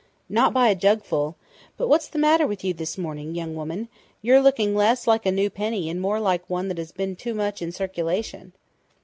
"Not by a jugful!... But what's the matter with you this morning, young woman? You're looking less like a new penny and more like one that has been too much in circulation."